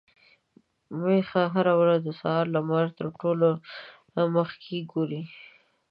ميښه هره ورځ د سهار لمر تر ټولو مخکې ګوري.